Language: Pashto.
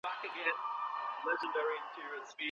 ولي لېواله انسان د مستحق سړي په پرتله خنډونه ماتوي؟